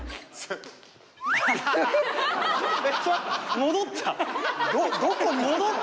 戻った？